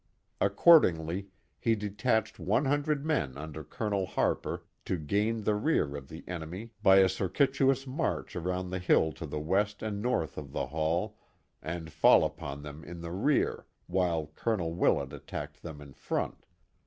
Accordingly, he detached one hundred men under Colonel Harper to gain the rear of the en emy by a circuitous march around the hill to the west and north of the Hall and fall upon them in the rear, while Colonel Willett attacked them in front.